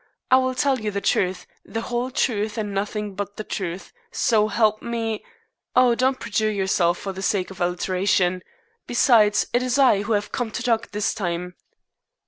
I will tell you the truth, the whole truth, and nothing but the truth, so help me " "Sh s sh! Do not perjure yourself for the sake of alliteration. Besides, it is I who have come to talk this time."